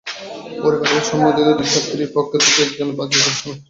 পরিবারের সম্মতিতে দুই ছাত্রীর পক্ষ থেকে একজন পাঁচজনকে আসামি করে মামলা করেন।